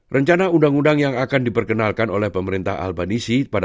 rencana undang undang yang akan diperkenalkan oleh pemerintah albanisi pada